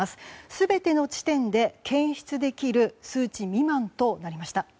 全ての地点で検出できる数値未満となりました。